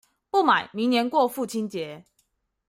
不買，明年過父親節